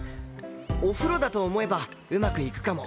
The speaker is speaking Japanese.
お風呂だと思えばうまくいくかも。